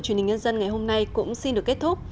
truyền hình nhân dân ngày hôm nay cũng xin được kết thúc